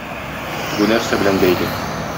Бу нәрсә белән бәйле?